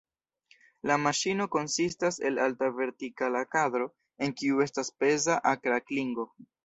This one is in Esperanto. La maŝino konsistas el alta vertikala kadro, en kiu estas peza akra klingo.